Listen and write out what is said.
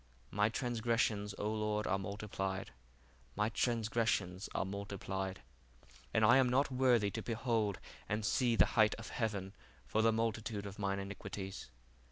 My transgressions, O Lord, are multiplied: my transgressions are multiplied, and I am not worthy to behold and see the height of heaven for the multitude of mine iniquities.